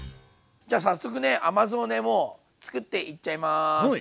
じゃ早速ね甘酢をねもうつくっていっちゃいます。